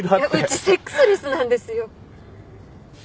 うちセックスレスなんですよ。